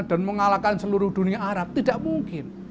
dan mengalahkan seluruh dunia arab tidak mungkin